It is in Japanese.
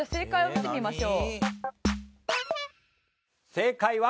正解は。